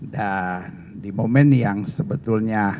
di momen yang sebetulnya